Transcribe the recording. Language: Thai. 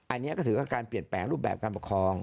อันนี้ก็ถือว่าการเปลี่ยนแปลงรูปแบบการปกครอง